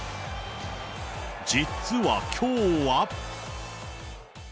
実はきょうは。